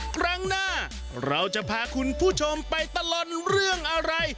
ครั้งหน้าเราจะพาคุณผู้ชมไปตลอดเรื่องอะไร